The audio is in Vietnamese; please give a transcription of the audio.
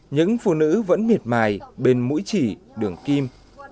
những phụ nữ vẫn miệt mài bên mũi chỉ đường kim